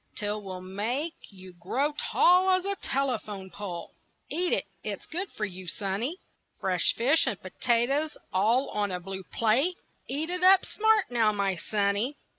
'T will make you grow tall as a telephone pole Eat it, it's good for you, sonny. Fresh fish and potatoes all on a blue plate Eat it up smart now, my sonny.